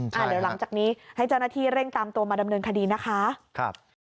เดี๋ยวหลังจากนี้ให้เจ้าหน้าที่เร่งตามตัวมาดำเนินคดีนะคะครับ